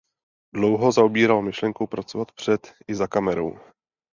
Dlouho zaobíral myšlenkou pracovat před i za kamerou.